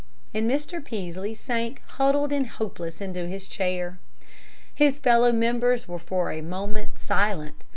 And Mr. Peaslee sank huddled and hopeless into his chair. His fellow members were for a moment silent.